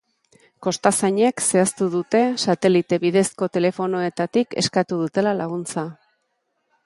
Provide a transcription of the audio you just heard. Kostazainek zehaztu dute satelite bidezko telefonoetatik eskatu dutela laguntza.